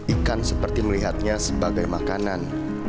ikan seperti melihatnya sebagai makanan